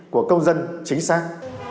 của công dân chính xác